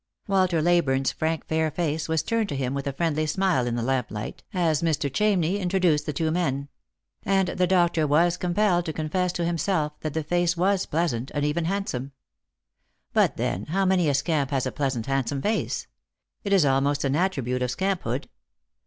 Walter Leyburne's frank fair face was turned to him with a friendly smile in the lamplight, as Mr. Chamney introduced the two men ; and the doctor was compelled to confess to him self that the face was pleasant, and even handsome. But, then, how many a scamp has a pleasant handsome face ! It is almost an attribute of scamphood.